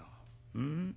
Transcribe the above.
うん。